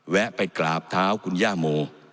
ไปกราบเท้าคุณย่าโม